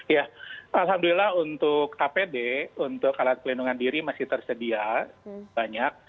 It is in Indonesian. ya alhamdulillah untuk apd untuk alat pelindungan diri masih tersedia banyak